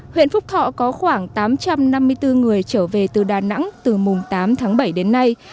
huyện phúc thọ có khoảng tám trăm năm mươi bốn người trở về từ đà nẵng từ mùng tám tháng bảy đến nay